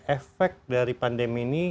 efek dari pandemi ini